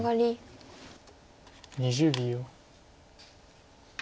２０秒。